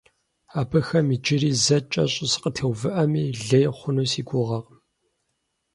Абыхэм иджыри зэ кӀэщӀу сакъытеувыӀэми лей хъуну си гугъэкъым.